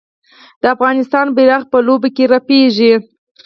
د افغانستان بیرغ په لوبو کې رپیږي.